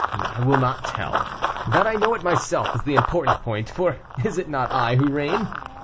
I will not tell; that I know it myself is the important point, for is it not I who reign?